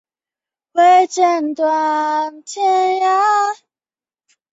宗祠和祭祀文化的兴盛是宁化人祖先崇拜的标志。